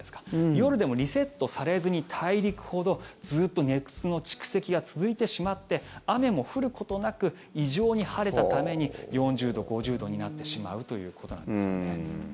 夜でもリセットされずに大陸ほどずっと熱の蓄積が続いてしまって雨も降ることなく異常に晴れたために４０度、５０度になってしまうということなんですよね。